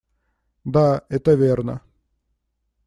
Да, это верно.